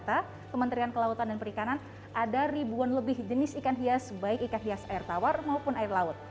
pemerintah kementerian kelautan dan perikanan ada ribuan lebih jenis ikan hias baik ikan hias air tawar maupun air laut